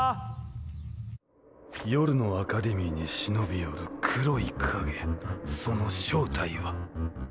夜のアカデミーに忍び寄る黒い影その正体は。